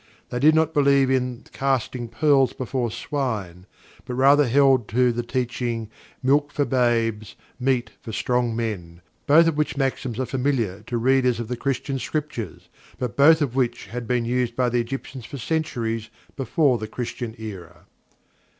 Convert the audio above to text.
They did not believe in "casting pearls before swine," but rather held to the teaching "milk for babes"; "meat for strong men," both of which maxims are familiar to readers of the Christian scriptures, but both of which had been used by the Egyptians for centuries before the Christian era.